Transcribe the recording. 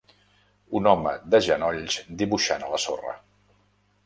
un home de genolls dibuixant a la sorra